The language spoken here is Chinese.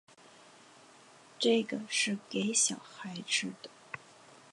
这个是给小孩吃的